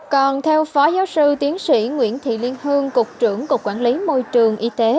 còn theo phó giáo sư tiến sĩ nguyễn thị liên hương cục trưởng cục quản lý môi trường y tế